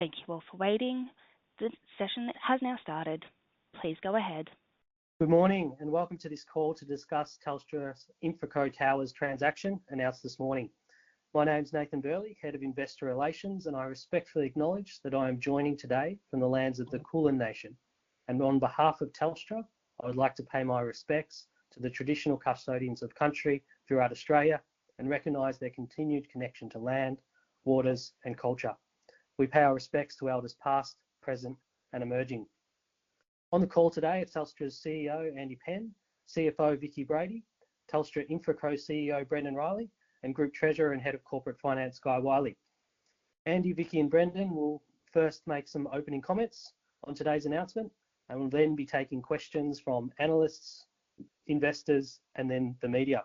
Thank you all for waiting. The session has now started. Please go ahead. Good morning and welcome to this call to discuss Telstra's InfraCo Towers transaction announced this morning. My name's Nathan Burley, Head of Investor Relations, and I respectfully acknowledge that I am joining today from the lands of the Kulin Nation. On behalf of Telstra, I would like to pay my respects to the traditional custodians of country throughout Australia and recognize their continued connection to land, waters, and culture. We pay our respects to elders past, present, and emerging. On the call today are Telstra's CEO, Andy Penn, CFO, Vicki Brady, Telstra InfraCo CEO, Brendon Riley, and Group Treasurer and Head of Corporate Finance, Guy Wylie. Andy, Vicki, and Brendon will first make some opening comments on today's announcement and will then be taking questions from analysts, investors, and then the media.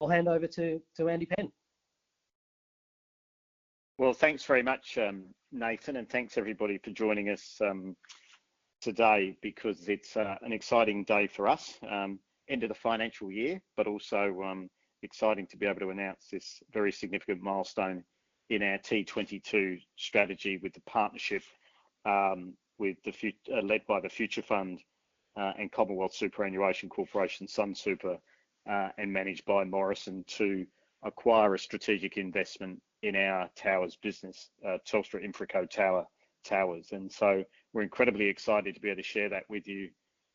I'll hand over to Andy Penn. Well, thanks very much, Nathan, and thanks everybody for joining us today because it's an exciting day for us. End of the financial year, but also exciting to be able to announce this very significant milestone in our T22 strategy with the partnership led by the Future Fund and Commonwealth Superannuation Corporation, Sunsuper, and managed by Morrison, to acquire a strategic investment in our towers' business, Telstra InfraCo Towers. And so we're incredibly excited to be able to share that with you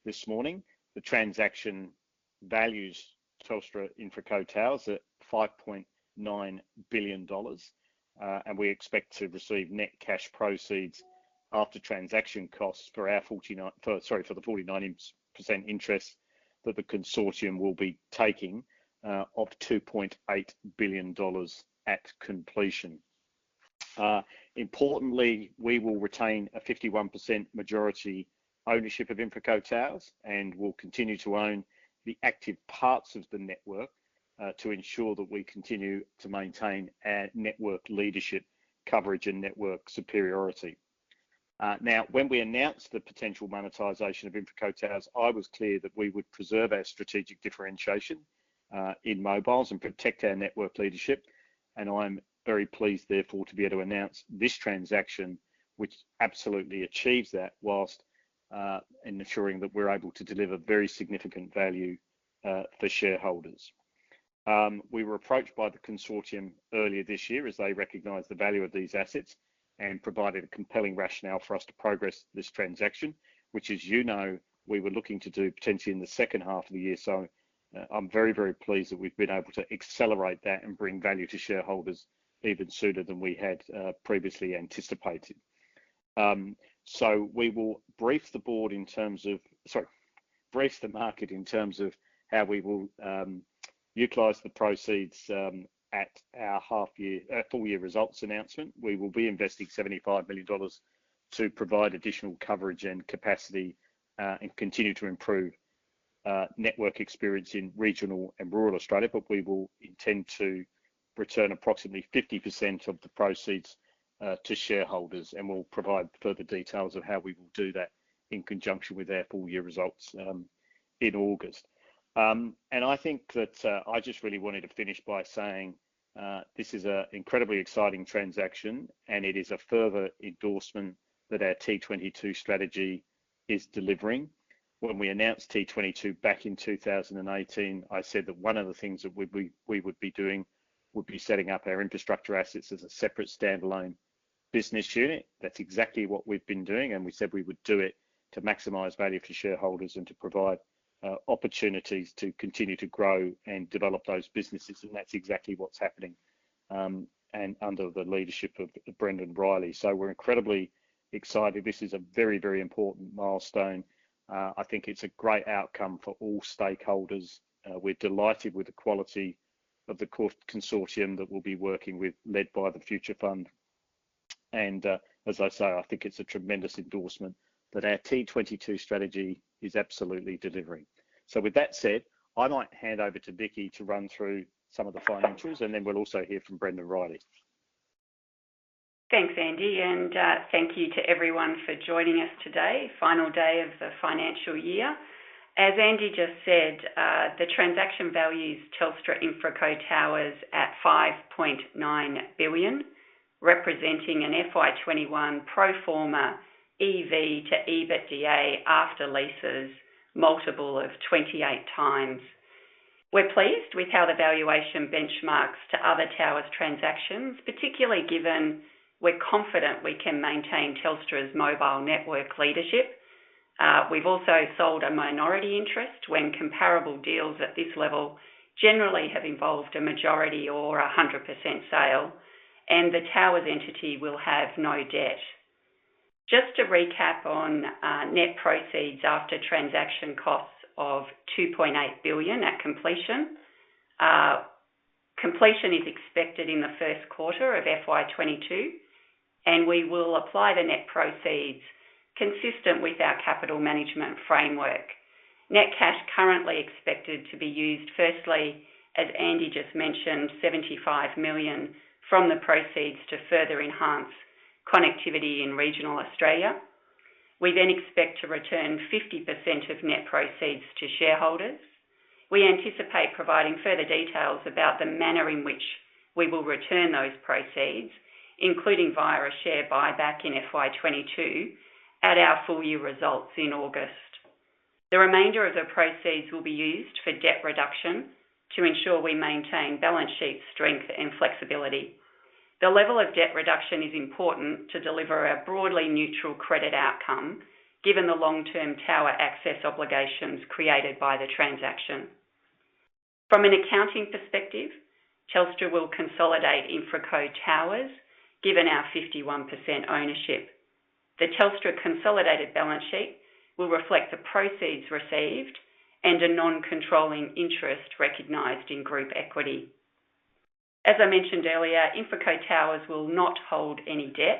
this morning. The transaction values Telstra InfraCo Towers at 5.9 billion dollars. And we expect to receive net cash proceeds after transaction costs for our 49% interest that the consortium will be taking of 2.8 billion dollars at completion. Importantly, we will retain a 51% majority ownership of InfraCo Towers and will continue to own the active parts of the network to ensure that we continue to maintain network leadership coverage and network superiority. Now, when we announced the potential monetization of InfraCo Towers, I was clear that we would preserve our strategic differentiation in mobiles and protect our network leadership. And I'm very pleased, therefore, to be able to announce this transaction, which absolutely achieves that while ensuring that we're able to deliver very significant value for shareholders. We were approached by the consortium earlier this year as they recognized the value of these assets and provided a compelling rationale for us to progress this transaction, which, as you know, we were looking to do potentially in the second half of the year. So I'm very, very pleased that we've been able to accelerate that and bring value to shareholders even sooner than we had previously anticipated. So we will brief the board in terms of sorry, brief the market in terms of how we will utilize the proceeds at our full-year results announcement. We will be investing 75 million dollars to provide additional coverage and capacity and continue to improve network experience in regional and rural Australia. But we will intend to return approximately 50% of the proceeds to shareholders. And we'll provide further details of how we will do that in conjunction with our full-year results in August. And I think that I just really wanted to finish by saying this is an incredibly exciting transaction. And it is a further endorsement that our T22 strategy is delivering. When we announced T22 back in 2018, I said that one of the things that we would be doing would be setting up our infrastructure assets as a separate standalone business unit. That's exactly what we've been doing. And we said we would do it to maximize value for shareholders and to provide opportunities to continue to grow and develop those businesses. And that's exactly what's happening under the leadership of Brendon Riley. So we're incredibly excited. This is a very, very important milestone. I think it's a great outcome for all stakeholders. We're delighted with the quality of the consortium that we'll be working with, led by the Future Fund. And as I say, I think it's a tremendous endorsement that our T22 strategy is absolutely delivering. So with that said, I might hand over to Vicki to run through some of the financials. We'll also hear from Brendon Riley. Thanks, Andy. Thank you to everyone for joining us today, final day of the financial year. As Andy just said, the transaction values Telstra Infraco Towers at 5.9 billion, representing an FY21 pro forma EV to EBITDA after leases multiple of 28x. We're pleased with how the valuation benchmarks to other towers' transactions, particularly given we're confident we can maintain Telstra's mobile network leadership. We've also sold a minority interest when comparable deals at this level generally have involved a majority or 100% sale. The towers' entity will have no debt. Just to recap on net proceeds after transaction costs of 2.8 billion at completion. Completion is expected in the first quarter of FY22. We will apply the net proceeds consistent with our capital management framework. Net cash currently expected to be used, firstly, as Andy just mentioned, 75 million from the proceeds to further enhance connectivity in regional Australia. We then expect to return 50% of net proceeds to shareholders. We anticipate providing further details about the manner in which we will return those proceeds, including via a share buyback in FY22 at our full-year results in August. The remainder of the proceeds will be used for debt reduction to ensure we maintain balance sheet strength and flexibility. The level of debt reduction is important to deliver a broadly neutral credit outcome given the long-term tower access obligations created by the transaction. From an accounting perspective, Telstra will consolidate Infraco Towers given our 51% ownership. The Telstra consolidated balance sheet will reflect the proceeds received and a non-controlling interest recognised in group equity. As I mentioned earlier, Infraco Towers will not hold any debt.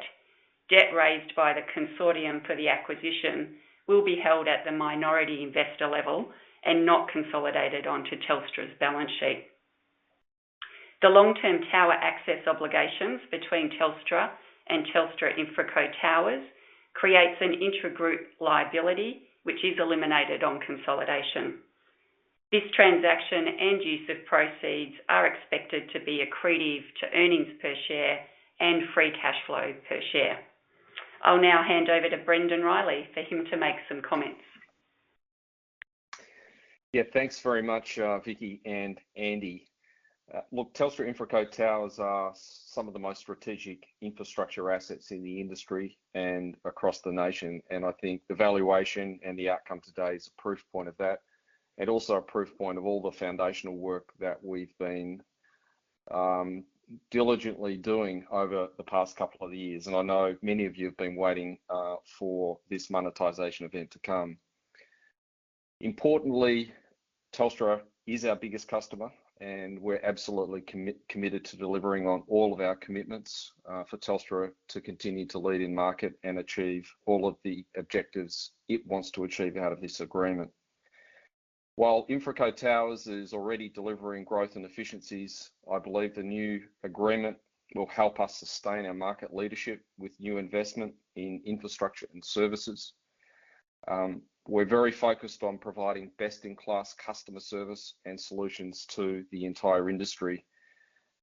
Debt raised by the consortium for the acquisition will be held at the minority investor level and not consolidated onto Telstra's balance sheet. The long-term tower access obligations between Telstra and Telstra Infraco Towers create an intra-group liability, which is eliminated on consolidation. This transaction and use of proceeds are expected to be accretive to earnings per share and free cash flow per share. I'll now hand over to Brendon Riley for him to make some comments. Yeah, thanks very much, Vicki and Andy. Look, Telstra Infraco Towers are some of the most strategic infrastructure assets in the industry and across the nation. I think the valuation and the outcome today is a proof point of that and also a proof point of all the foundational work that we've been diligently doing over the past couple of years. I know many of you have been waiting for this monetization event to come. Importantly, Telstra is our biggest customer. We're absolutely committed to delivering on all of our commitments for Telstra to continue to lead in market and achieve all of the objectives it wants to achieve out of this agreement. While Infraco Towers is already delivering growth and efficiencies, I believe the new agreement will help us sustain our market leadership with new investment in infrastructure and services. We're very focused on providing best-in-class customer service and solutions to the entire industry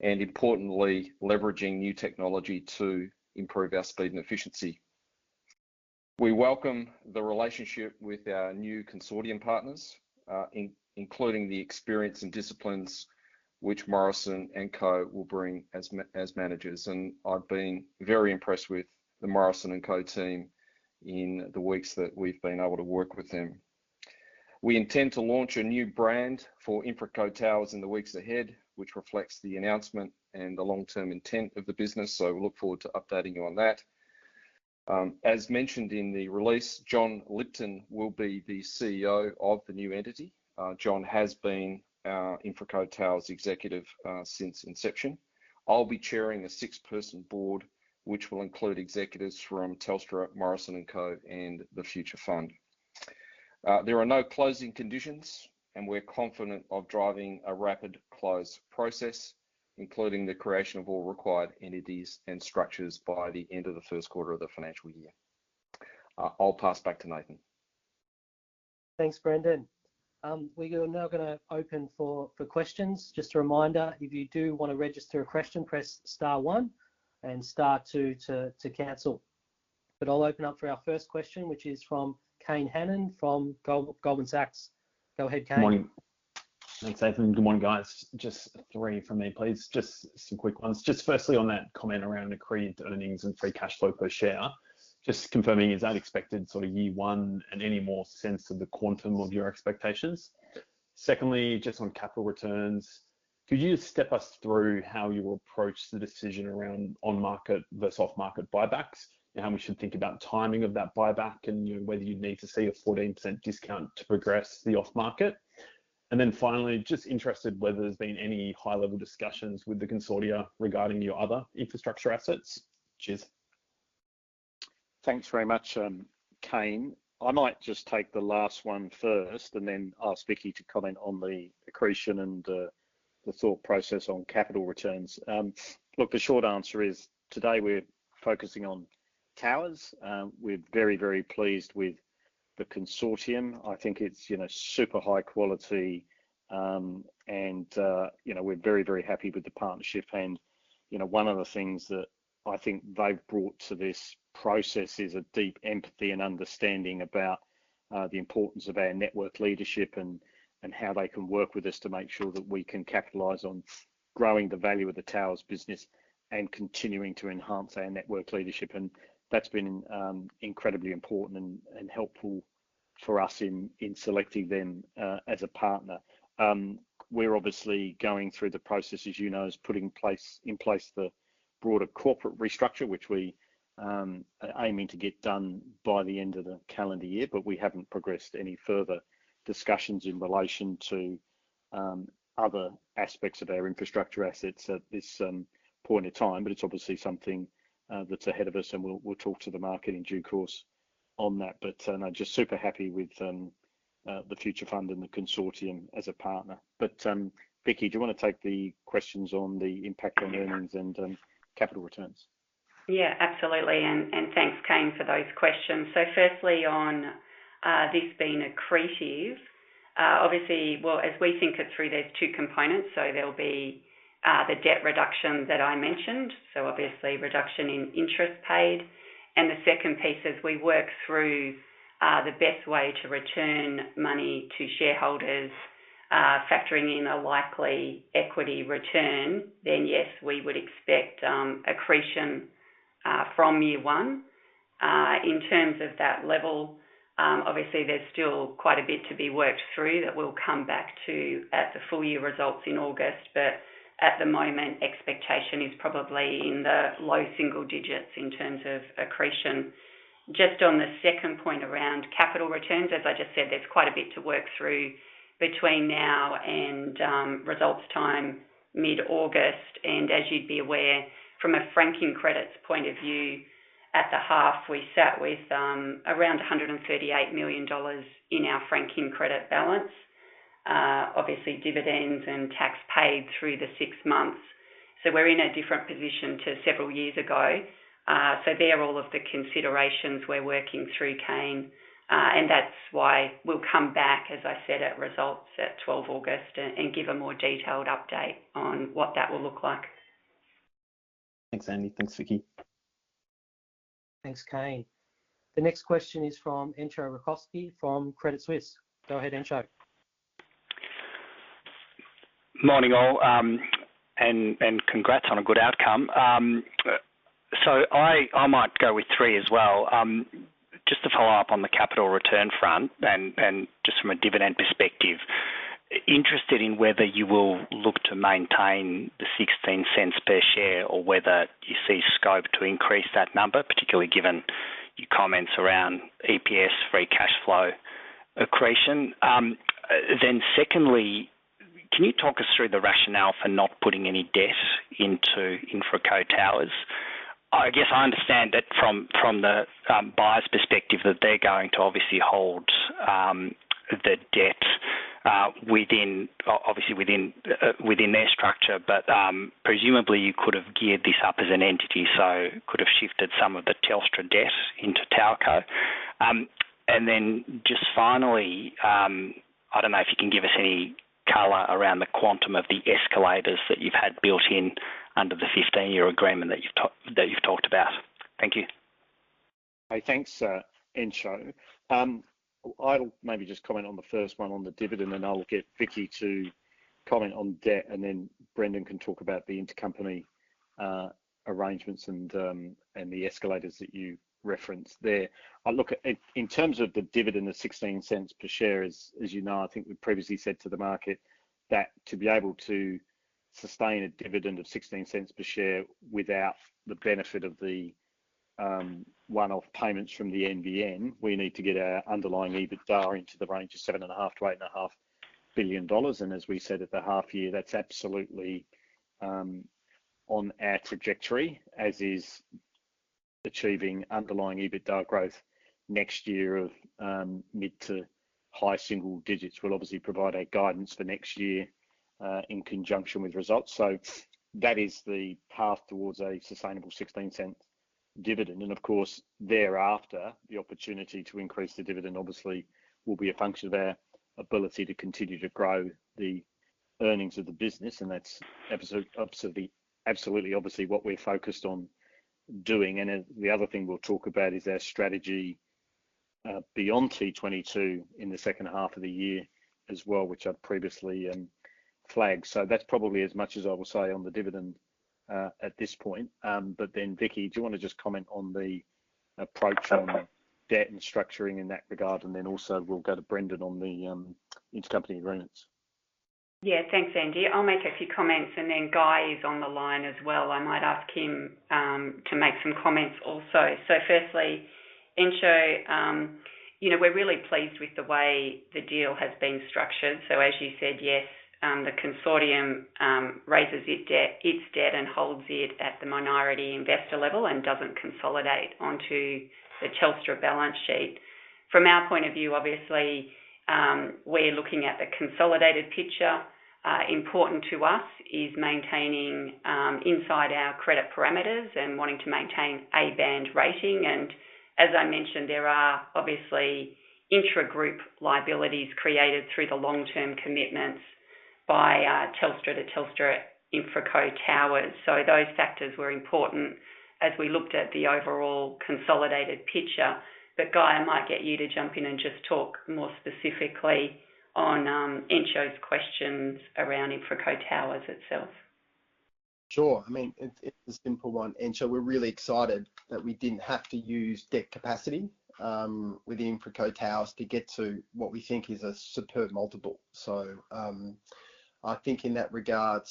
and, importantly, leveraging new technology to improve our speed and efficiency. We welcome the relationship with our new consortium partners, including the experience and disciplines which Morrison & Co will bring as managers. I've been very impressed with the Morrison & Co team in the weeks that we've been able to work with them. We intend to launch a new brand for Infraco Towers in the weeks ahead, which reflects the announcement and the long-term intent of the business. We look forward to updating you on that. As mentioned in the release, Jon Lipton will be the CEO of the new entity. John has been Infraco Towers' executive since inception. I'll be chairing a six-person board, which will include executives from Telstra, Morrison & Co, and the Future Fund. There are no closing conditions. We're confident of driving a rapid close process, including the creation of all required entities and structures by the end of the first quarter of the financial year. I'll pass back to Nathan. Thanks, Brendon. We are now going to open for questions. Just a reminder, if you do want to register a question, press star 1 and star 2 to cancel. I'll open up for our first question, which is from Kane Hannan from Goldman Sachs. Go ahead, Kane. Morning. Thanks, Nathan. Good morning, guys. Just three from me, please. Just some quick ones. Just firstly, on that comment around accreted earnings and free cash flow per share, just confirming is that expected sort of year one and any more sense of the quantum of your expectations? Secondly, just on capital returns, could you step us through how you will approach the decision around on-market versus off-market buybacks and how we should think about timing of that buyback and whether you'd need to see a 14% discount to progress the off-market? And then finally, just interested whether there's been any high-level discussions with the consortium regarding your other infrastructure assets. Cheers. Thanks very much, Kane. I might just take the last one first and then ask Vicki to comment on the accretion and the thought process on capital returns. Look, the short answer is, today we're focusing on towers. We're very, very pleased with the consortium. I think it's super high quality. And we're very, very happy with the partnership. And one of the things that I think they've brought to this process is a deep empathy and understanding about the importance of our network leadership and how they can work with us to make sure that we can capitalize on growing the value of the towers' business and continuing to enhance our network leadership. And that's been incredibly important and helpful for us in selecting them as a partner. We're obviously going through the process, as you know, is putting in place the broader corporate restructure, which we're aiming to get done by the end of the calendar year. But we haven't progressed any further discussions in relation to other aspects of our infrastructure assets at this point in time. But it's obviously something that's ahead of us. And we'll talk to the market in due course on that. But I'm just super happy with the Future Fund and the consortium as a partner. But Vicki, do you want to take the questions on the impact on earnings and capital returns? Yeah, absolutely. And thanks, Kane, for those questions. So firstly, on this being accretive, obviously, well, as we think it through, there's two components. So there'll be the debt reduction that I mentioned, so obviously reduction in interest paid. And the second piece is we work through the best way to return money to shareholders, factoring in a likely equity return. Then yes, we would expect accretion from year one. In terms of that level, obviously, there's still quite a bit to be worked through that we'll come back to at the full-year results in August. But at the moment, expectation is probably in the low single digits in terms of accretion. Just on the second point around capital returns, as I just said, there's quite a bit to work through between now and results time mid-August. As you'd be aware, from a franking credits point of view, at the half, we sat with around 138 million dollars in our franking credit balance, obviously dividends and tax paid through the six months. We're in a different position to several years ago. They're all of the considerations we're working through, Kane. And that's why we'll come back, as I said, at results at 12 August and give a more detailed update on what that will look like. Thanks, Andy. Thanks, Vicki. Thanks, Kane. The next question is from Entcho Raykovski from Credit Suisse. Go ahead, Entcho. Morning, all. Congrats on a good outcome. I might go with three as well. Just to follow up on the capital return front and just from a dividend perspective, interested in whether you will look to maintain the 0.16 per share or whether you see scope to increase that number, particularly given your comments around EPS, free cash flow accretion. Then secondly, can you talk us through the rationale for not putting any debt into Infraco Towers? I guess I understand that from the buyer's perspective, that they're going to obviously hold the debt, obviously within their structure. But presumably, you could have geared this up as an entity, so could have shifted some of the Telstra debt into TowerCo. And then just finally, I don't know if you can give us any color around the quantum of the escalators that you've had built-in under the 15-year agreement that you've talked about? Thank you. Thanks, Entcho. I'll maybe just comment on the first one, on the dividend. And I'll get Vicki to comment on debt. And then Brendon can talk about the intercompany arrangements and the escalators that you referenced there. In terms of the dividend of 0.16 per share, as you know, I think we previously said to the market that to be able to sustain a dividend of 0.16 per share without the benefit of the one-off payments from the NBN, we need to get our underlying EBITDA into the range of 7.5 billion-8.5 billion dollars. And as we said at the half year, that's absolutely on our trajectory, as is achieving underlying EBITDA growth next year of mid- to high-single-digits. We will obviously provide our guidance for next year in conjunction with results. So that is the path towards a sustainable 0.16 dividend. Of course, thereafter, the opportunity to increase the dividend obviously will be a function of our ability to continue to grow the earnings of the business. That's absolutely obviously what we're focused on doing. The other thing we'll talk about is our strategy beyond T22 in the second half of the year as well, which I've previously flagged. That's probably as much as I will say on the dividend at this point. But then Vicki, do you want to just comment on the approach on debt and structuring in that regard? And then also, we'll go to Brendon on the intercompany agreements. Yeah, thanks, Andy. I'll make a few comments. And then Guy is on the line as well. I might ask him to make some comments also. So firstly, Entcho, we're really pleased with the way the deal has been structured. So as you said, yes, the consortium raises its debt and holds it at the minority investor level and doesn't consolidate onto the Telstra balance sheet. From our point of view, obviously, we're looking at the consolidated picture. Important to us is maintaining inside our credit parameters and wanting to maintain A-band rating. And as I mentioned, there are obviously intra-group liabilities created through the long-term commitments by Telstra to Telstra Infraco Towers. So those factors were important as we looked at the overall consolidated picture. But Guy, I might get you to jump in and just talk more specifically on Entcho's questions around Infraco Towers itself. Sure. I mean, it's a simple one. Entcho, we're really excited that we didn't have to use debt capacity with the Infraco Towers to get to what we think is a superb multiple. So I think in that regard,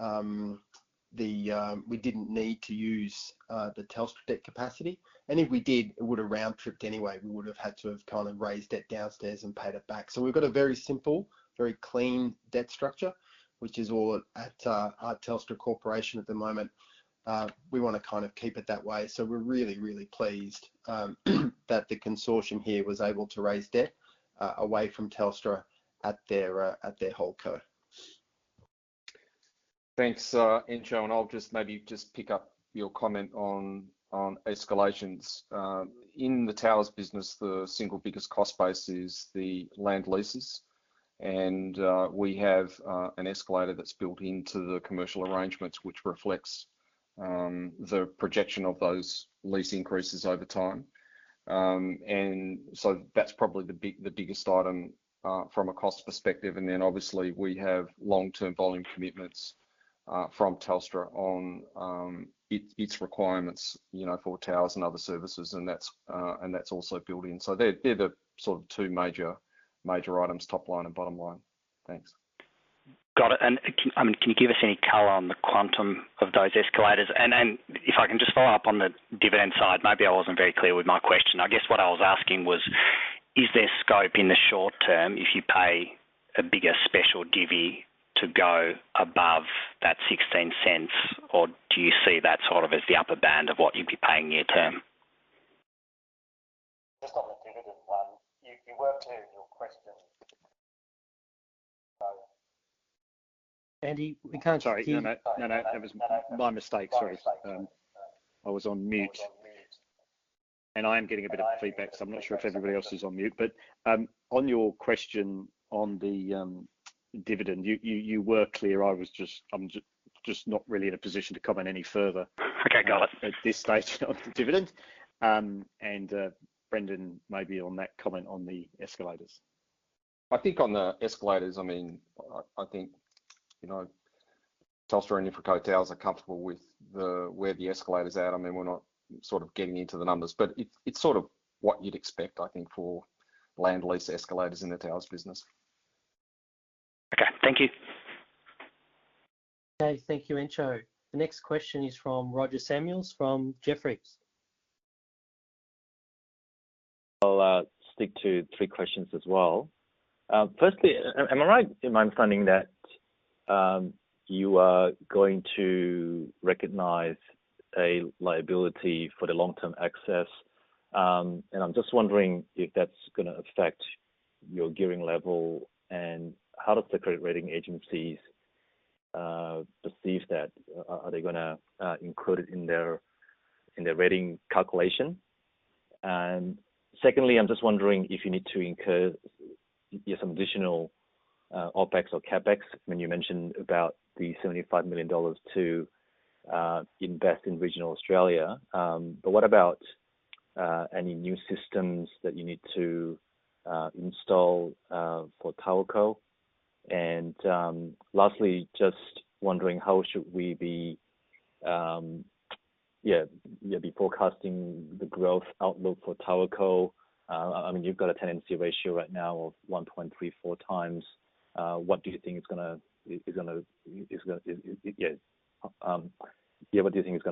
we didn't need to use the Telstra debt capacity. And if we did, it would have round-tripped anyway. We would have had to have kind of raised it downstairs and paid it back. So we've got a very simple, very clean debt structure, which is all at Telstra Corporation at the moment. We want to kind of keep it that way. So we're really, really pleased that the consortium here was able to raise debt away from Telstra at their HoldCo. Thanks, Entcho. I'll just maybe pick up your comment on escalations. In the towers business, the single biggest cost base is the land leases. We have an escalator that's built into the commercial arrangements, which reflects the projection of those lease increases over time. So that's probably the biggest item from a cost perspective. Then obviously, we have long-term volume commitments from Telstra on its requirements for towers and other services. That's also built in. So they're the sort of two major items, top line and bottom line. Thanks. Got it. And I mean, can you give us any color on the quantum of those escalators? And if I can just follow up on the dividend side, maybe I wasn't very clear with my question. I guess what I was asking was, is there scope in the short term if you pay a bigger special divvy to go above that 0.16? Or do you see that sort of as the upper band of what you'd be paying year term? Just on the dividend one, you worked through your questions. Andy, we can't see you. Sorry. No, no. That was my mistake. Sorry. I was on mute. And I am getting a bit of feedback. So I'm not sure if everybody else is on mute. But on your question on the dividend, you were clear. I'm just not really in a position to comment any further at this stage on the dividend. And Brendon, maybe on that comment on the escalators. I think on the escalators, I mean, I think Telstra and Infraco Towers are comfortable with where the escalator's at. I mean, we're not sort of getting into the numbers. But it's sort of what you'd expect, I think, for land lease escalators in the towers business. Okay. Thank you. Okay. Thank you, Entcho. The next question is from Roger Samuel from Jefferies. I'll stick to three questions as well. Firstly, am I right in my understanding that you are going to recognise a liability for the long-term access? And I'm just wondering if that's going to affect your gearing level. And how do the credit rating agencies perceive that? Are they going to include it in their rating calculation? And secondly, I'm just wondering if you need to incur some additional OPEX or CAPEX. I mean, you mentioned about the 75 million dollars to invest in Regional Australia. But what about any new systems that you need to install for TowerCo? And lastly, just wondering, how should we be forecasting the growth outlook for TowerCo? I mean, you've got a tenancy ratio right now of 1.34 times. What do you think it's going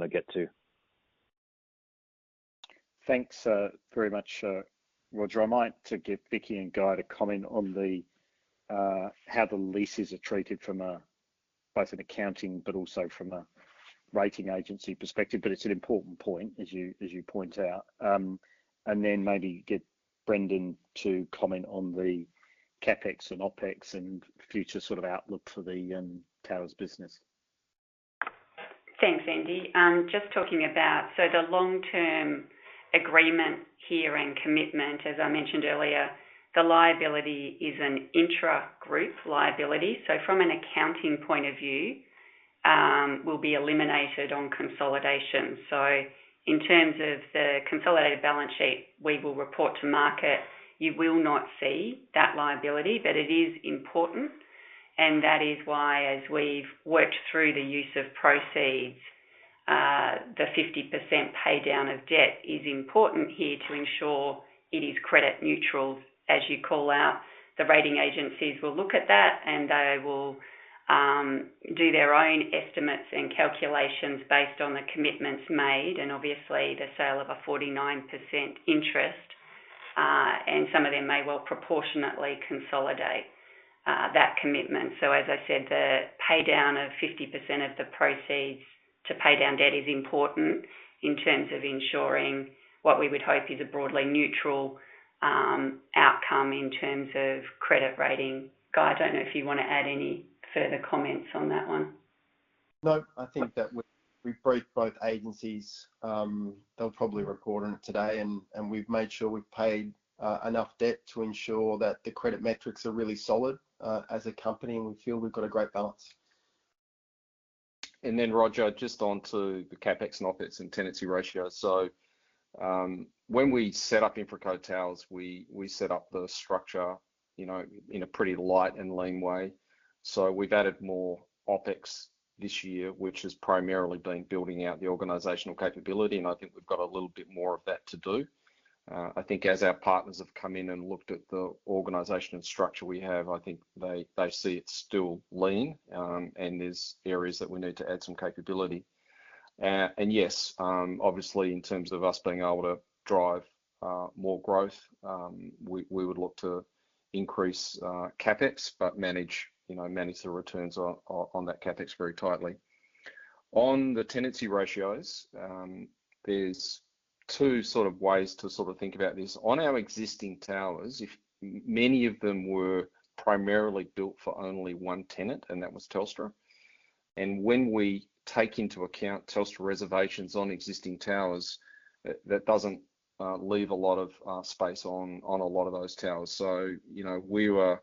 to get to? Thanks very much, Roger. I might give Vicki and Guy to comment on how the leases are treated from both an accounting but also from a rating agency perspective. But it's an important point, as you point out. And then maybe get Brendon to comment on the CAPEX and OPEX and future sort of outlook for the towers business. Thanks, Andy. Just talking about so the long-term agreement here and commitment, as I mentioned earlier, the liability is an intra-group liability. So from an accounting point of view, will be eliminated on consolidation. So in terms of the consolidated balance sheet, we will report to market. You will not see that liability. But it is important. And that is why, as we've worked through the use of proceeds, the 50% paydown of debt is important here to ensure it is credit neutral, as you call out. The rating agencies will look at that. And they will do their own estimates and calculations based on the commitments made. And obviously, the sale of a 49% interest. And some of them may well proportionately consolidate that commitment. So as I said, the paydown of 50% of the proceeds to paydown debt is important in terms of ensuring what we would hope is a broadly neutral outcome in terms of credit rating. Guy, I don't know if you want to add any further comments on that one. No. I think that we've briefed both agencies. They'll probably report on it today. And we've made sure we've paid enough debt to ensure that the credit metrics are really solid as a company. And we feel we've got a great balance. And then Roger, just onto the CAPEX and OPEX and tenancy ratio. So when we set up Infraco Towers, we set up the structure in a pretty light and lean way. So we've added more OPEX this year, which has primarily been building out the organizational capability. And I think we've got a little bit more of that to do. I think as our partners have come in and looked at the organization and structure we have, I think they see it's still lean. And there's areas that we need to add some capability. And yes, obviously, in terms of us being able to drive more growth, we would look to increase CAPEX but manage the returns on that CAPEX very tightly. On the tenancy ratios, there's two sort of ways to sort of think about this. On our existing towers, many of them were primarily built for only one tenant. And that was Telstra. And when we take into account Telstra reservations on existing towers, that doesn't leave a lot of space on a lot of those towers. So we were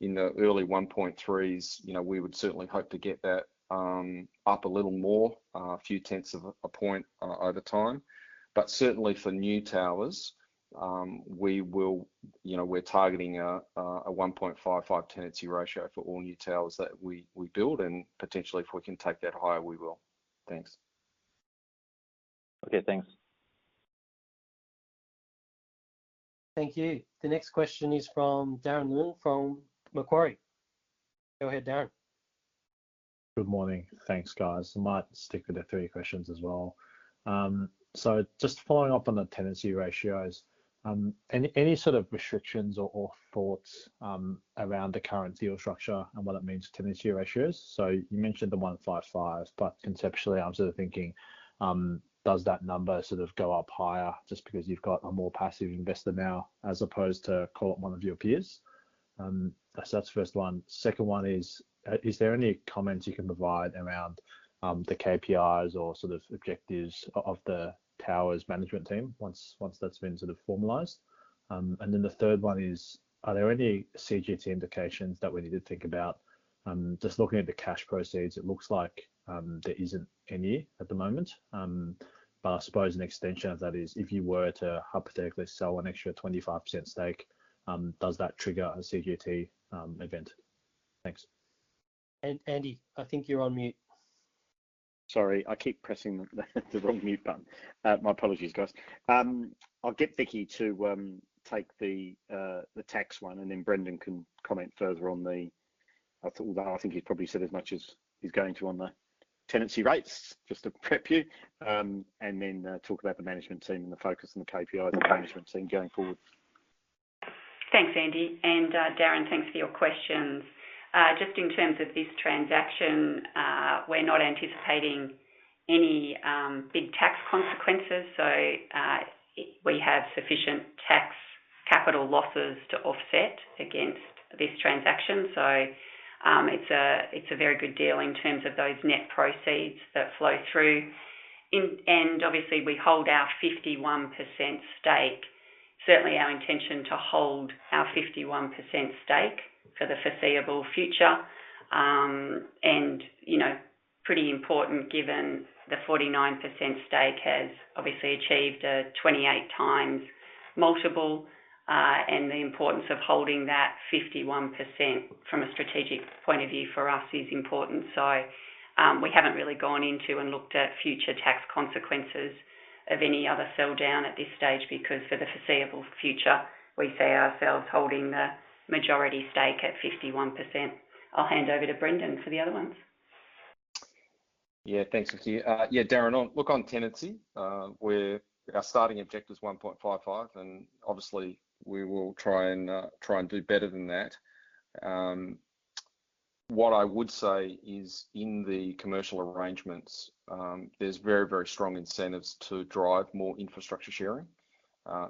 in the early 1.3s. We would certainly hope to get that up a little more, a few tenths of a point over time. But certainly, for new towers, we're targeting a 1.55 tenancy ratio for all new towers that we build. And potentially, if we can take that higher, we will. Thanks. Okay. Thanks. Thank you. The next question is from Darren Leung from Macquarie. Go ahead, Darren. Good morning. Thanks, guys. I might stick with the three questions as well. So just following up on the tenancy ratios, any sort of restrictions or thoughts around the current deal structure and what it means tenancy ratios? So you mentioned the 1.55. But conceptually, I'm sort of thinking, does that number sort of go up higher just because you've got a more passive investor now as opposed to, call it, one of your peers? So that's the first one. Second one is, is there any comments you can provide around the KPIs or sort of objectives of the towers' management team once that's been sort of formalized? And then the third one is, are there any CGT indications that we need to think about? Just looking at the cash proceeds, it looks like there isn't any at the moment. I suppose an extension of that is, if you were to hypothetically sell an extra 25% stake, does that trigger a CGT event? Thanks. Andy, I think you're on mute. Sorry. I keep pressing the wrong mute button. My apologies, guys. I'll get Vicki to take the tax one. And then Brendon can comment further on the, I think he's probably said as much as he's going to on the tenancy rates, just to prep you. And then talk about the management team and the focus and the KPIs of the management team going forward. Thanks, Andy. And Darren, thanks for your questions. Just in terms of this transaction, we're not anticipating any big tax consequences. So we have sufficient tax capital losses to offset against this transaction. So it's a very good deal in terms of those net proceeds that flow through. And obviously, we hold our 51% stake. Certainly, our intention to hold our 51% stake for the foreseeable future. And pretty important given the 49% stake has obviously achieved a 28x multiple. And the importance of holding that 51% from a strategic point of view for us is important. So we haven't really gone into and looked at future tax consequences of any other sell down at this stage because for the foreseeable future, we see ourselves holding the majority stake at 51%. I'll hand over to Brendon for the other ones. Yeah. Thanks, Vicki here. Yeah. Darren, look on tenancy. Our starting objective's 1.55. And obviously, we will try and do better than that. What I would say is, in the commercial arrangements, there's very, very strong incentives to drive more infrastructure sharing.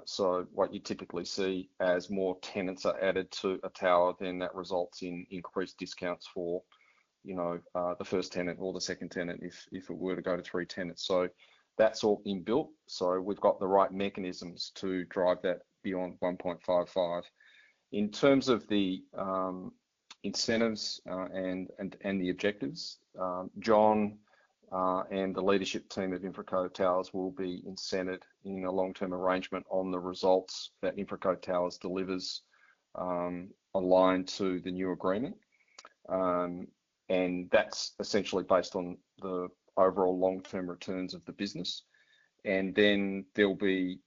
So what you typically see as more tenants are added to a tower, then that results in increased discounts for the first tenant or the second tenant if it were to go to three tenants. So that's all inbuilt. So we've got the right mechanisms to drive that beyond 1.55. In terms of the incentives and the objectives, John and the leadership team of Infraco Towers will be incented in a long-term arrangement on the results that Infraco Towers delivers aligned to the new agreement. And that's essentially based on the overall long-term returns of the business. And then there'll be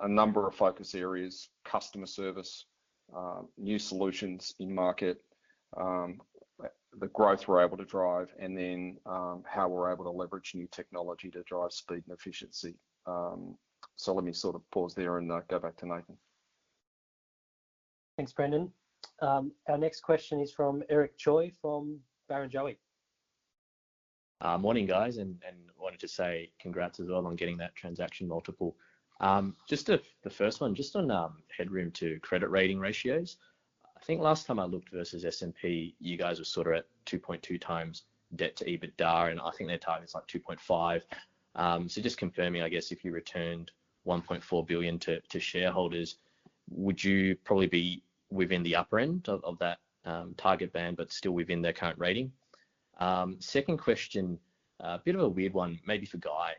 a number of focus areas: customer service, new solutions in market, the growth we're able to drive, and then how we're able to leverage new technology to drive speed and efficiency. So let me sort of pause there and go back to Nathan. Thanks, Brendon. Our next question is from Eric Choi from Barrenjoey. Morning, guys. And wanted to say congrats as well on getting that transaction multiple. Just the first one, just on headroom to credit rating ratios. I think last time I looked versus S&P, you guys were sort of at 2.2x debt to EBITDA. And I think their target's like 2.5x. So just confirming, I guess, if you returned 1.4 billion to shareholders, would you probably be within the upper end of that target band but still within their current rating? Second question, a bit of a weird one, maybe for Guy.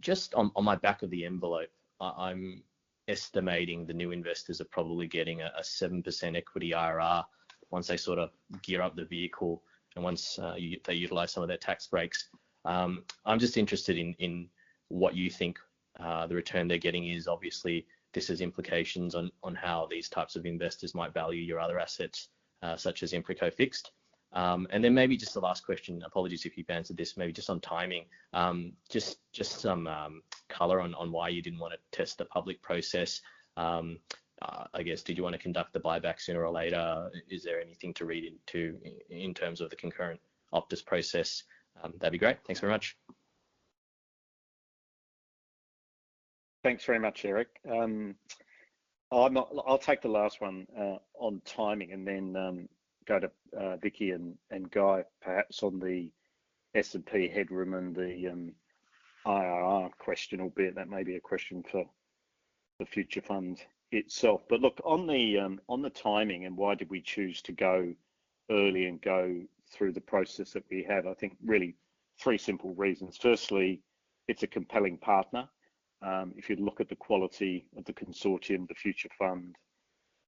Just on my back of the envelope, I'm estimating the new investors are probably getting a 7% equity IRR once they sort of gear up the vehicle and once they utilize some of their tax breaks. I'm just interested in what you think the return they're getting is. Obviously, this has implications on how these types of investors might value your other assets such as Infraco Fixed. Then maybe just the last question. Apologies if you've answered this. Maybe just on timing, just some color on why you didn't want to test the public process. I guess, did you want to conduct the buyback sooner or later? Is there anything to read into in terms of the concurrent Optus process? That'd be great. Thanks very much. Thanks very much, Eric. I'll take the last one on timing and then go to Vicki and Guy, perhaps, on the S&P headroom and the IRR question a bit. That may be a question for the Future Fund itself. But look, on the timing and why did we choose to go early and go through the process that we have, I think really three simple reasons. Firstly, it's a compelling partner. If you look at the quality of the consortium, the Future Fund,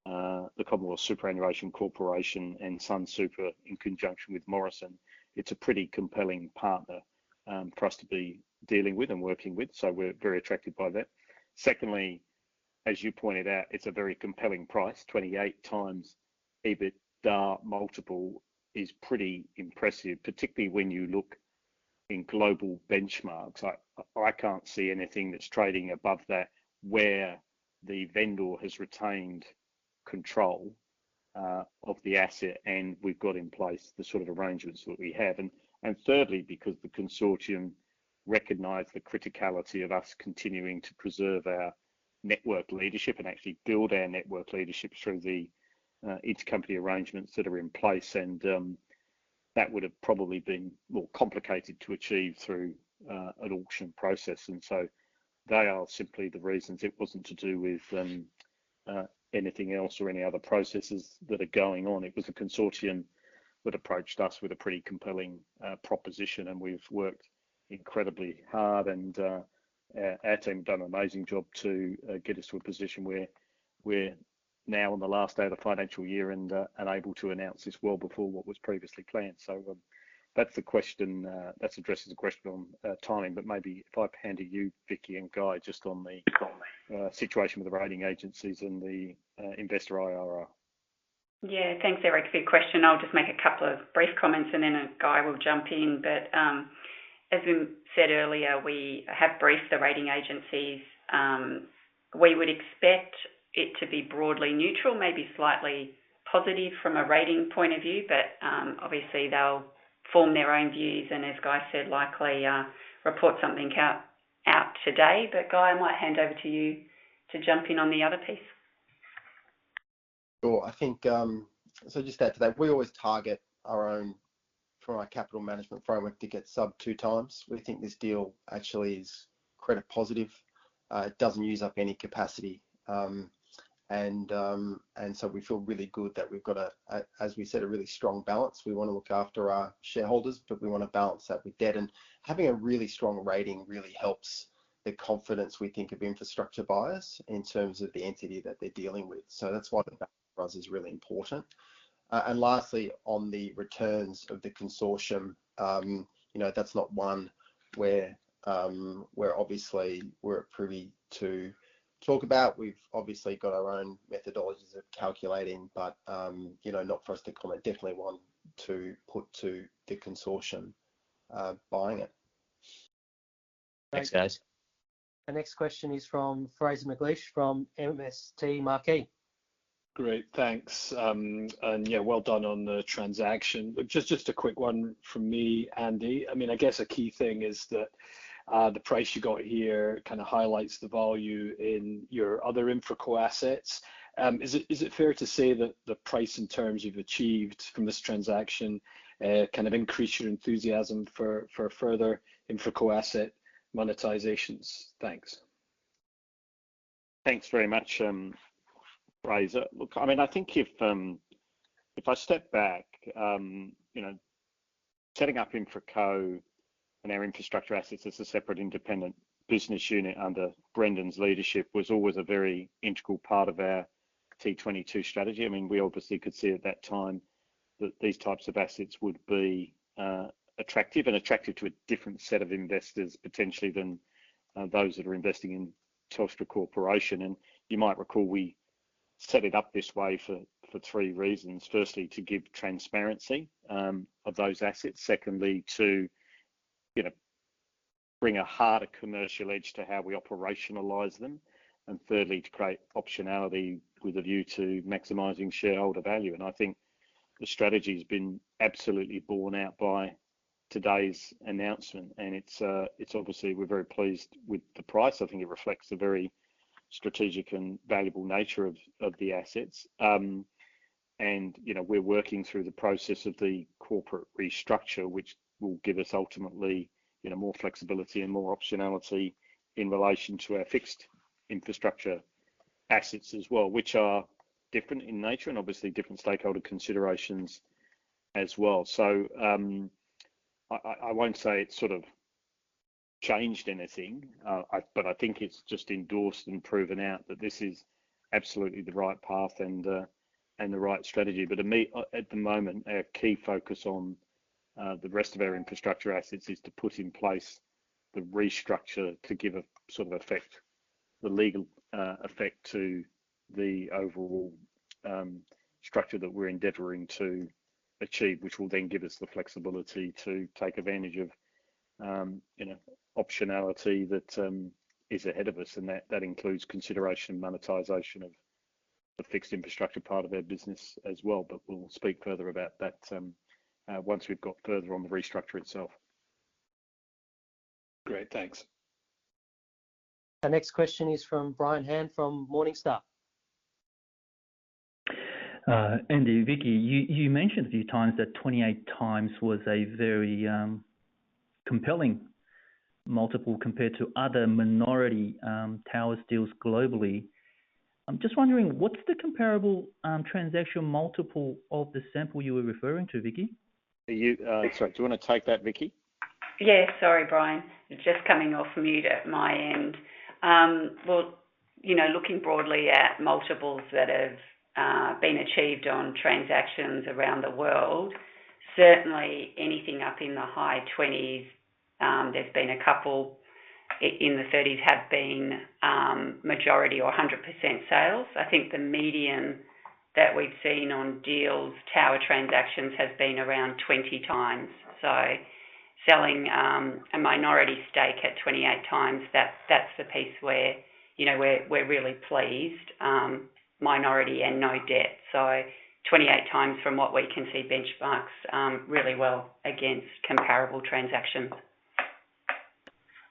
the Commonwealth Superannuation Corporation, and Sunsuper in conjunction with Morrison, it's a pretty compelling partner for us to be dealing with and working with. So we're very attracted by that. Secondly, as you pointed out, it's a very compelling price. 28x EBITDA multiple is pretty impressive, particularly when you look in global benchmarks. I can't see anything that's trading above that where the vendor has retained control of the asset. And we've got in place the sort of arrangements that we have. And thirdly, because the consortium recognised the criticality of us continuing to preserve our network leadership and actually build our network leadership through the intercompany arrangements that are in place. And that would have probably been more complicated to achieve through an auction process. And so they are simply the reasons. It wasn't to do with anything else or any other processes that are going on. It was the consortium that approached us with a pretty compelling proposition. And we've worked incredibly hard. And Amot have done an amazing job to get us to a position where we're now on the last day of the financial year and able to announce this well before what was previously planned. That's the question that addresses the question on timing. Maybe if I hand to you, Vicki, and Guy, just on the situation with the rating agencies and the investor IRR. Yeah. Thanks, Eric. Good question. I'll just make a couple of brief comments. Then Guy will jump in. But as we said earlier, we have briefed the rating agencies. We would expect it to be broadly neutral, maybe slightly positive from a rating point of view. Obviously, they'll form their own views. As Guy said, likely report something out today. Guy, I might hand over to you to jump in on the other piece. Sure. So just add to that, we always target our own net debt from our capital management framework to be sub 2x. We think this deal actually is credit positive. It doesn't use up any capacity. And so we feel really good that we've got, as we said, a really strong balance sheet. We want to look after our shareholders. But we want to balance that with debt. And having a really strong rating really helps the confidence we think of infrastructure buyers in terms of the entity that they're dealing with. So that's why the balance for us is really important. And lastly, on the returns of the consortium, that's not one where obviously, we're privy to talk about. We've obviously got our own methodologies of calculating. But not for us to comment. Definitely one to put to the consortium buying it. Thanks, guys. The next question is from Fraser McLeish from MST Marquee. Great. Thanks. And yeah, well done on the transaction. Just a quick one from me, Andy. I mean, I guess a key thing is that the price you got here kind of highlights the value in your other Infraco assets. Is it fair to say that the price and terms you've achieved from this transaction kind of increased your enthusiasm for further Infraco asset monetizations? Thanks. Thanks very much, Fraser. Look, I mean, I think if I step back, setting up Infraco and our infrastructure assets as a separate independent business unit under Brendon's leadership was always a very integral part of our T22 strategy. I mean, we obviously could see at that time that these types of assets would be attractive and attractive to a different set of investors, potentially, than those that are investing in Telstra Corporation. And you might recall we set it up this way for three reasons. Firstly, to give transparency of those assets. Secondly, to bring a harder commercial edge to how we operationalize them. And thirdly, to create optionality with a view to maximizing shareholder value. And I think the strategy has been absolutely borne out by today's announcement. And obviously, we're very pleased with the price. I think it reflects the very strategic and valuable nature of the assets. We're working through the process of the corporate restructure, which will give us ultimately more flexibility and more optionality in relation to our fixed infrastructure assets as well, which are different in nature and obviously different stakeholder considerations as well. I won't say it's sort of changed anything. I think it's just endorsed and proven out that this is absolutely the right path and the right strategy. At the moment, our key focus on the rest of our infrastructure assets is to put in place the restructure to give a sort of effect, the legal effect to the overall structure that we're endeavoring to achieve, which will then give us the flexibility to take advantage of optionality that is ahead of us. That includes consideration of monetization of the fixed infrastructure part of our business as well. But we'll speak further about that once we've got further on the restructure itself. Great. Thanks. The next question is from Brian Han from Morningstar. Andy, Vicki, you mentioned a few times that 28x was a very compelling multiple compared to other minority towers deals globally. I'm just wondering, what's the comparable transactional multiple of the sample you were referring to, Vicki? Sorry. Do you want to take that, Vicki? Yeah. Sorry, Brian. Just coming off mute at my end. Well, looking broadly at multiples that have been achieved on transactions around the world, certainly anything up in the high 20s, there's been a couple in the 30s have been majority or 100% sales. I think the median that we've seen on deals, tower transactions, has been around 20x. So selling a minority stake at 28x, that's the piece where we're really pleased. Minority and no debt. So 28x from what we can see benchmarks really well against comparable transactions.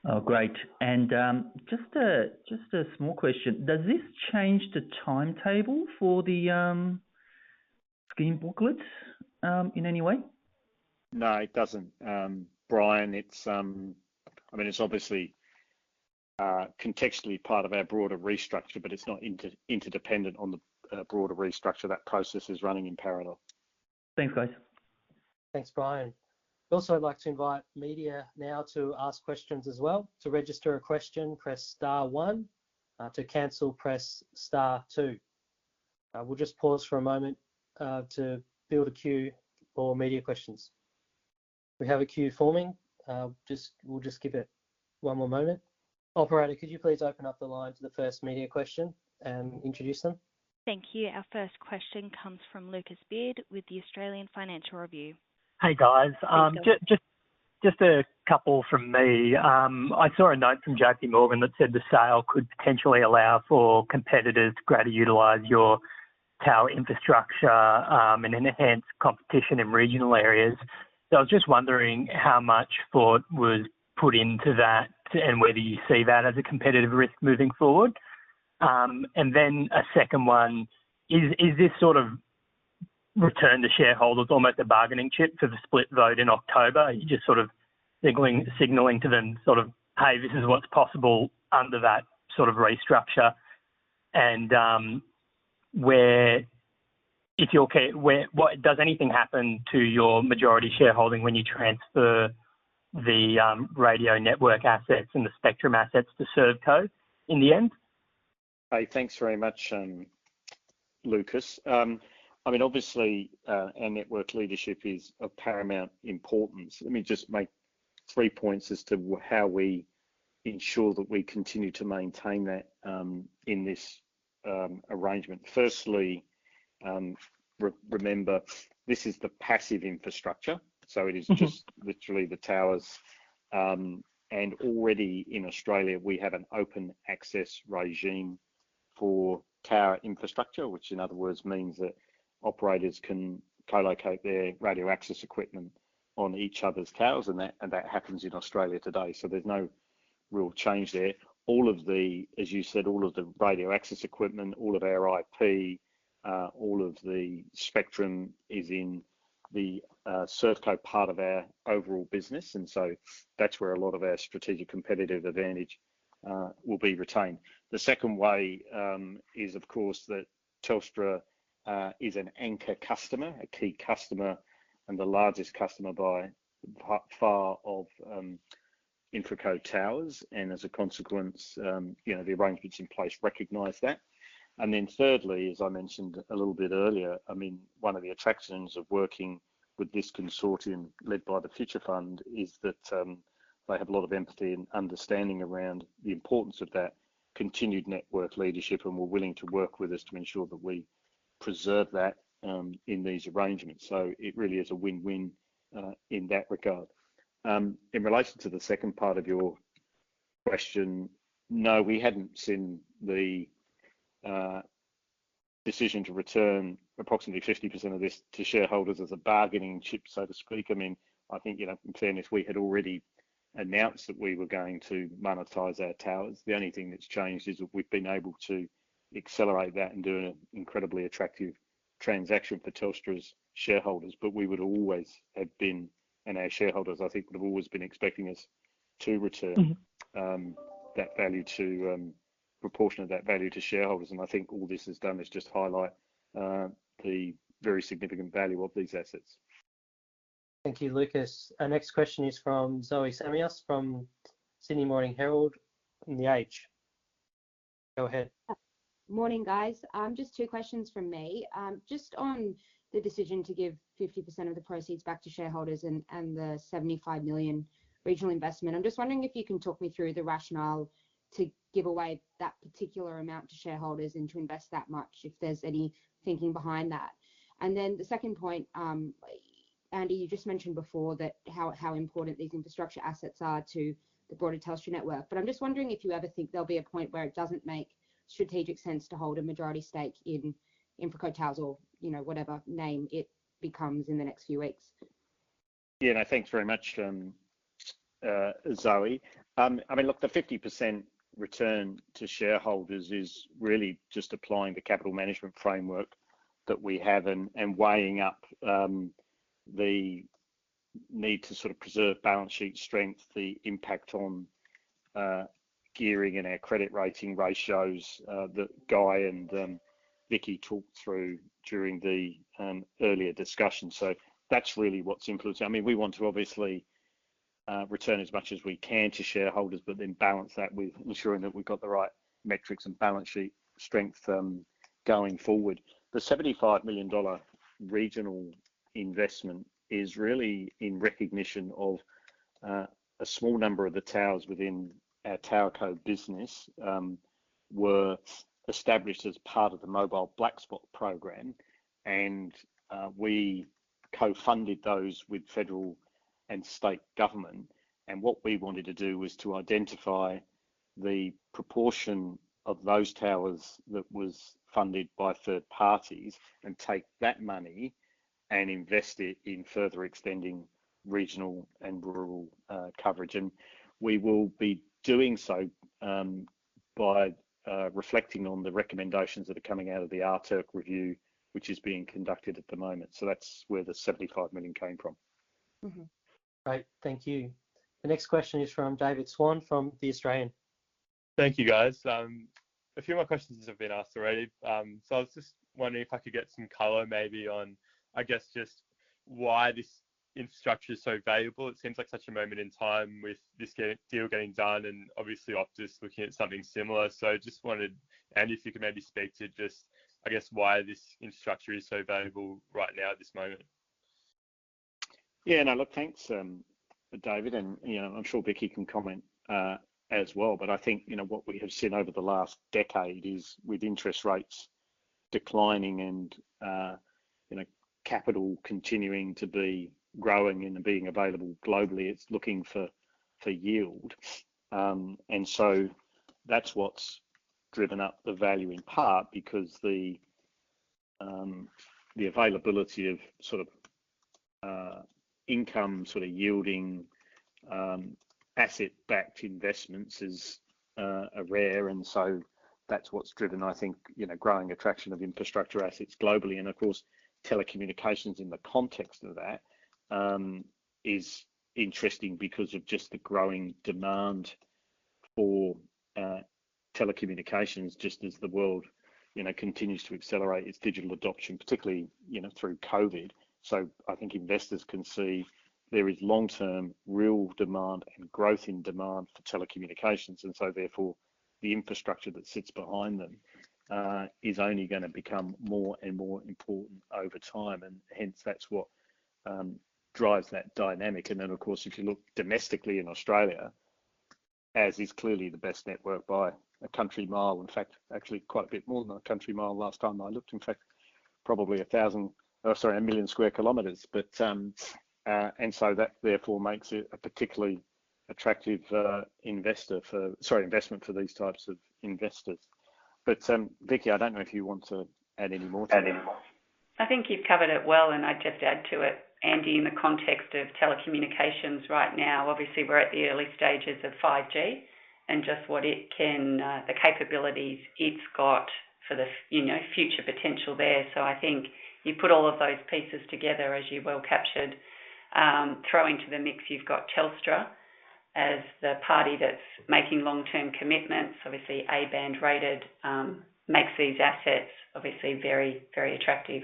Oh, great. And just a small question. Does this change the timetable for the scheme booklets in any way? No, it doesn't, Brian. I mean, it's obviously contextually part of our broader restructure. But it's not interdependent on the broader restructure. That process is running in parallel. Thanks, guys. Thanks, Brian. I'd also like to invite media now to ask questions as well. To register a question, press star 1. To cancel, press star 2. We'll just pause for a moment to build a queue for media questions. We have a queue forming. We'll just give it one more moment. Operator, could you please open up the line to the first media question and introduce them? Thank you. Our first question comes from Lucas Baird with the Australian Financial Review. Hey, guys. Just a couple from me. I saw a note from J.P. Morgan that said the sale could potentially allow for competitors to greater utilize your tower infrastructure and enhance competition in regional areas. So I was just wondering how much thought was put into that and whether you see that as a competitive risk moving forward. And then a second one, is this sort of return to shareholders, almost a bargaining chip for the split vote in October? Are you just sort of signalling to them sort of, "Hey, this is what's possible under that sort of restructure"? And does anything happen to your majority shareholding when you transfer the radio network assets and the spectrum assets to ServeCo in the end? Hey, thanks very much, Lucas. I mean, obviously, our network leadership is of paramount importance. Let me just make three points as to how we ensure that we continue to maintain that in this arrangement. Firstly, remember, this is the passive infrastructure. So it is just literally the towers. And already in Australia, we have an open access regime for tower infrastructure, which in other words means that operators can colocate their radio access equipment on each other's towers. And that happens in Australia today. So there's no real change there. As you said, all of the radio access equipment, all of our IP, all of the spectrum is in the ServeCo part of our overall business. And so that's where a lot of our strategic competitive advantage will be retained. The second way is, of course, that Telstra is an anchor customer, a key customer, and the largest customer by far of Infraco Towers. As a consequence, the arrangements in place recognize that. Then thirdly, as I mentioned a little bit earlier, I mean, one of the attractions of working with this consortium led by the Future Fund is that they have a lot of empathy and understanding around the importance of that continued network leadership. And we're willing to work with us to ensure that we preserve that in these arrangements. So it really is a win-win in that regard. In relation to the second part of your question, no, we hadn't seen the decision to return approximately 50% of this to shareholders as a bargaining chip, so to speak. I mean, I think, in fairness, we had already announced that we were going to monetize our towers. The only thing that's changed is that we've been able to accelerate that and do an incredibly attractive transaction for Telstra's shareholders. But we would always have been and our shareholders, I think, would have always been expecting us to return that value, proportion of that value to shareholders. And I think all this has done is just highlight the very significant value of these assets. Thank you, Lucas. Our next question is from Zoe Samios from Sydney Morning Herald. Go ahead. Morning, guys. Just two questions from me. Just on the decision to give 50% of the proceeds back to shareholders and the 75 million regional investment, I'm just wondering if you can talk me through the rationale to give away that particular amount to shareholders and to invest that much, if there's any thinking behind that. And then the second point, Andy, you just mentioned before how important these infrastructure assets are to the broader Telstra network. But I'm just wondering if you ever think there'll be a point where it doesn't make strategic sense to hold a majority stake in Infraco Towers or whatever name it becomes in the next few weeks. Yeah. No, thanks very much, Zoe. I mean, look, the 50% return to shareholders is really just applying the capital management framework that we have and weighing up the need to sort of preserve balance sheet strength, the impact on gearing and our credit rating ratios that Guy and Vicki talked through during the earlier discussion. So that's really what's influencing. I mean, we want to obviously return as much as we can to shareholders, but then balance that with ensuring that we've got the right metrics and balance sheet strength going forward. The 75 million dollar regional investment is really in recognition of a small number of the towers within our TowerCo business were established as part of the Mobile Black Spot Program. And we co-funded those with federal and state government. What we wanted to do was to identify the proportion of those towers that was funded by third parties and take that money and invest it in further extending regional and rural coverage. We will be doing so by reflecting on the recommendations that are coming out of the RTIRC review, which is being conducted at the moment. That's where the 75 million came from. Great. Thank you. The next question is from David Swan from The Australian. Thank you, guys. A few more questions have been asked already. So I was just wondering if I could get some color, maybe, on, I guess, just why this infrastructure is so valuable. It seems like such a moment in time with this deal getting done. And obviously, Optus looking at something similar. So just wanted, Andy, if you could maybe speak to just, I guess, why this infrastructure is so valuable right now, at this moment. Yeah. No, look, thanks, David. And I'm sure Vicki can comment as well. But I think what we have seen over the last decade is with interest rates declining and capital continuing to be growing and being available globally, it's looking for yield. And so that's what's driven up the value in part because the availability of sort of income, sort of yielding asset-backed investments is rare. And so that's what's driven, I think, growing attraction of infrastructure assets globally. And of course, telecommunications in the context of that is interesting because of just the growing demand for telecommunications, just as the world continues to accelerate its digital adoption, particularly through COVID. So I think investors can see there is long-term real demand and growth in demand for telecommunications. And so therefore, the infrastructure that sits behind them is only going to become more and more important over time. And hence, that's what drives that dynamic. And then, of course, if you look domestically in Australia, as is clearly the best network by a country mile, in fact, actually quite a bit more than a country mile last time I looked. In fact, probably 1,000 or sorry, 1 million square kilometers. And so that therefore makes it a particularly attractive investor for sorry, investment for these types of investors. But Vicki, I don't know if you want to add any more to that. I think you've covered it well. And I'd just add to it, Andy, in the context of telecommunications right now, obviously, we're at the early stages of 5G and just what it can, the capabilities it's got for the future potential there. So I think you put all of those pieces together, as you well captured. Throw into the mix, you've got Telstra as the party that's making long-term commitments. Obviously, A-band rated makes these assets, obviously, very, very attractive.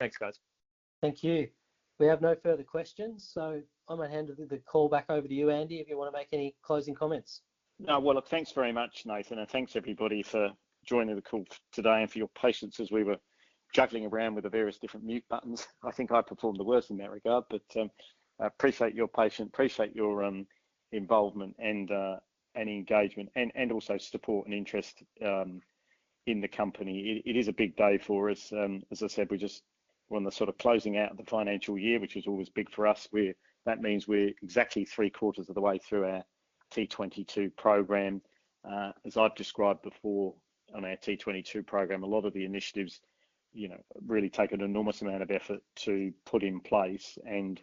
Thanks, guys. Thank you. We have no further questions. I'm going to hand the call back over to you, Andy, if you want to make any closing comments. No, well, look, thanks very much, Nathan. Thanks, everybody, for joining the call today and for your patience as we were juggling around with the various different mute buttons. I think I performed the worst in that regard. Appreciate your patience, appreciate your involvement and engagement, and also support and interest in the company. It is a big day for us. As I said, we're on the sort of closing out of the financial year, which is always big for us. That means we're exactly three-quarters of the way through our T22 program. As I've described before, on our T22 program, a lot of the initiatives really take an enormous amount of effort to put in place and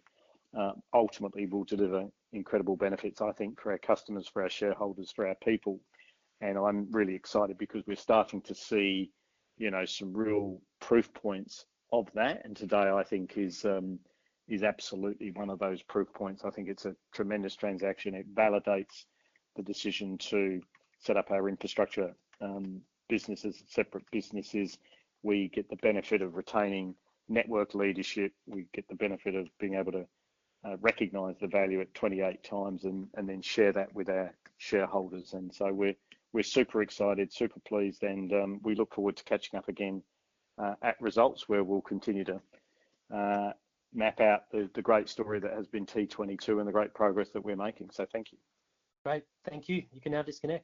ultimately will deliver incredible benefits, I think, for our customers, for our shareholders, for our people. I'm really excited because we're starting to see some real proof points of that. And today, I think, is absolutely one of those proof points. I think it's a tremendous transaction. It validates the decision to set up our infrastructure business as separate businesses. We get the benefit of retaining network leadership. We get the benefit of being able to recognize the value at 28x and then share that with our shareholders. And so we're super excited, super pleased. And we look forward to catching up again at results where we'll continue to map out the great story that has been T22 and the great progress that we're making. So thank you. Great. Thank you. You can now disconnect.